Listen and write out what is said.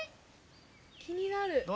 きになる。